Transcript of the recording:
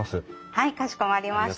はいかしこまりました。